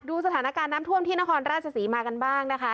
ดูสถานการณ์น้ำท่วมที่นครราชศรีมากันบ้างนะคะ